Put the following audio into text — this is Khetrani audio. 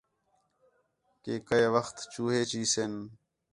کہ کئے وخت چوہے چی سِن